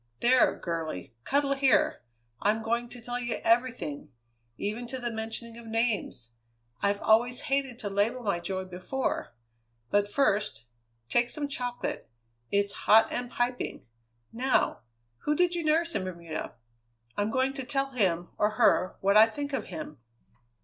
There, girlie! cuddle here! I'm going to tell you everything; even to the mentioning of names! I've always hated to label my joy before. But, first, take some chocolate; it's hot and piping. Now! Who did you nurse in Bermuda? I'm going to tell him, or her, what I think of him!"